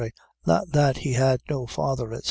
.Not that he had no father, etc.